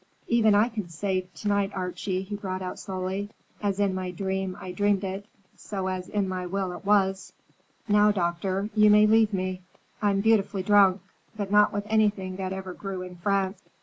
"Even I can say to night, Archie," he brought out slowly, "'As in my dream I dreamed it, As in my will it was.' Now, doctor, you may leave me. I'm beautifully drunk, but not with anything that ever grew in France."